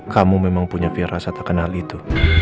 kamu memang punya rasa tak kenal itu